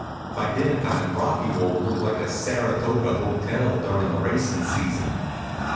By dinnertime Rockywold looked like a Saratoga hotel durin' the racin' season.